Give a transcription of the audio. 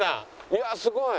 いやすごい。